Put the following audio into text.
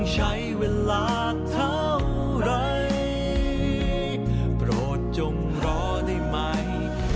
จะข้ามให้